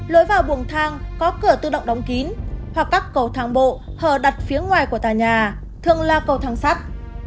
lối vào buồng thang có cửa tự động đóng kín hoặc các cầu thang bộ hở đặt phía ngoài của tòa nhà thường là cầu thang sắt